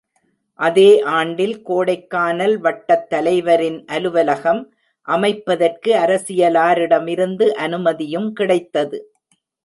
அதே ஆண்டில் கோடைக்கானல் வட்டத் தலைவ ரின் அலுவலகம் அமைப்பதற்கு அரசியலாரிடமிருந்து அனுமதியும் கிடைத்தது.